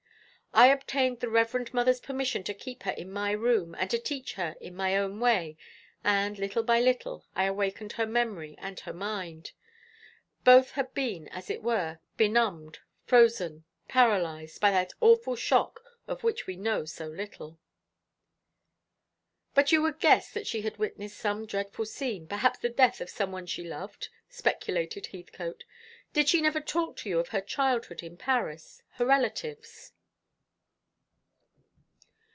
I obtained the Reverend Mother's permission to keep her in my room, and to teach her in my own way, and little by little I awakened her memory and her mind. Both had been, as it were, benumbed, frozen, paralysed, by that awful shock of which we know so little." "But you would guess that she had witnessed some dreadful scene, perhaps the death of some one she loved," speculated Heathcote. "Did she never talk to you of her childhood in Paris, her relatives?"